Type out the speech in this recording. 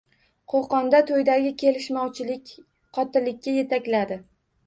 Qo‘qonda to‘ydagi kelishmovchilik qotillikka yetakladi